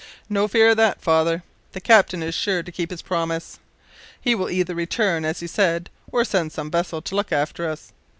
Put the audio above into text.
"No fear of that, father. The captain is sure to keep his promise. He will either return, as he said, or send some vessel to look after us.